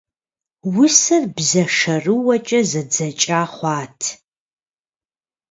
Усэр бзэ шэрыуэкӀэ зэдзэкӀа хъуат.